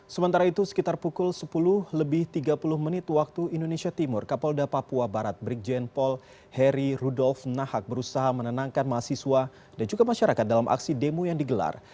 sementara itu sekitar pukul sepuluh lebih tiga puluh menit waktu indonesia timur kapolda papua barat brigjen paul heri rudolf nahak berusaha menenangkan mahasiswa dan juga masyarakat dalam aksi demo yang digelar